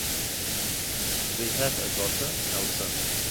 They have a daughter, Elsa.